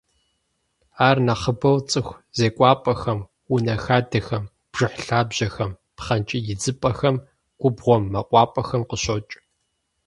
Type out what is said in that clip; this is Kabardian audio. Ар нэхъыбэу цӏыху зекӏуапӏэхэм, унэ хадэхэм, бжыхь лъабжьэхэм, пхъэнкӏий идзыпӏэхэм, губгъуэм, мэкъупӏэхэм къыщокӏ.